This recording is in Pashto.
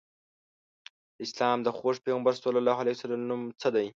د اسلام د خوږ پیغمبر ص نوم څه دی؟